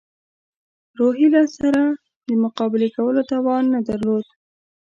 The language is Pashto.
روهیله سره د مقابلې کولو توان نه درلود.